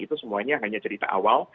itu semuanya hanya cerita awal